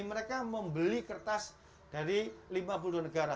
mereka membeli kertas dari lima puluh negara